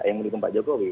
yang menurut pak jokowi